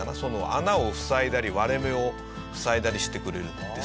穴をふさいだり割れ目をふさいだりしてくれるんですよ。